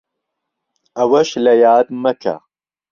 ئەوەش لەیاد مەکە